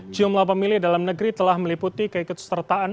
jumlah pemilih dalam negeri telah meliputi keikutsertaan